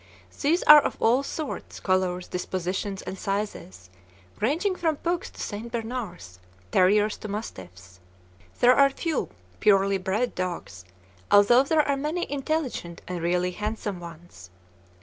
These are of all sorts, colors, dispositions, and sizes, ranging from pugs to St. Bernards, terriers to mastiffs. There are few purely bred dogs, although there are many intelligent and really handsome ones.